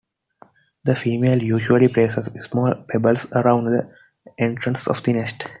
The female usually places small pebbles around the entrance of the nest.